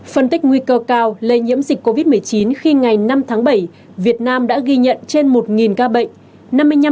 phân tích nguy cơ cao lây nhiễm dịch covid một mươi chín khi ngày năm tháng bảy việt nam đã ghi nhận trên một ca bệnh